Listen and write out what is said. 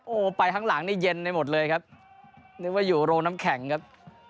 โอ้โหไปข้างหลังนี่เย็นไปหมดเลยครับนึกว่าอยู่โรงน้ำแข็งครับ